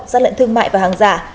gian lận thương mại và hàng giả